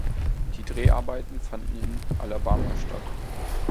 Die Dreharbeiten fanden in Alabama statt.